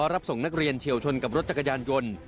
รับส่งนักเรียนเฉียวชนกับรถจักรยานยนต์